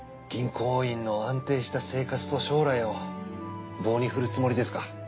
銀行員の安定した生活と将来を棒に振るつもりですか？